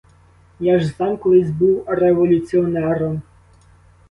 Я ж сам колись був революціонером.